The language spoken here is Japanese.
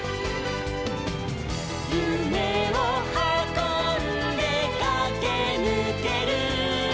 「ゆめをはこんでかけぬける」